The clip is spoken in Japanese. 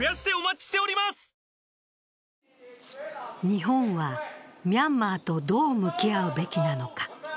日本はミャンマーとどう向き合うべきなのか。